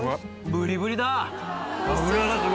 ブリブリだ！